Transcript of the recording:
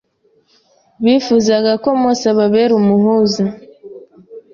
Bifuzaga ko Mose ababera umuhuza.